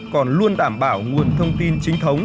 còn luôn đảm bảo nguồn thông tin chính thống